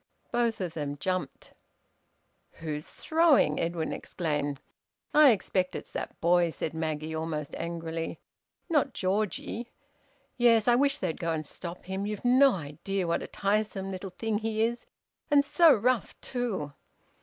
Both of them jumped. "Who's throwing?" Edwin exclaimed. "I expect it's that boy," said Maggie, almost angrily. "Not Georgie?" "Yes. I wish you'd go and stop him. You've no idea what a tiresome little thing he is. And so rough too!"